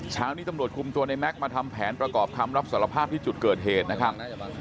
เช้านี้ตำรวจคุมตัวในแม็กซ์มาทำแผนประกอบคำรับสารภาพที่จุดเกิดเหตุนะครับ